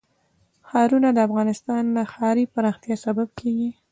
ښارونه د افغانستان د ښاري پراختیا سبب کېږي.